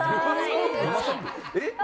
えっ？